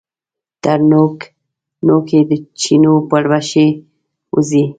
تر نوک، نوک یې د چینو پلوشې وځي